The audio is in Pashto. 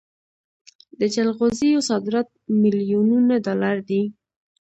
د جلغوزیو صادرات میلیونونه ډالر دي.